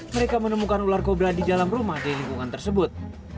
mereka menemukan ular kobra di dalam rumah di lingkungan tersebut